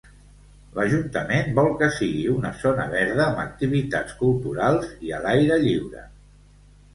L'Ajuntament vol que sigui una zona verda amb activitats culturals i a l'aire lliure.